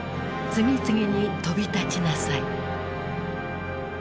次々に飛び立ちなさい。